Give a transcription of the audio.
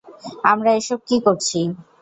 আমরা এসব কী করছি?